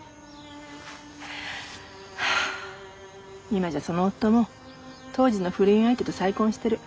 今じゃその夫も当時の不倫相手と再婚してる。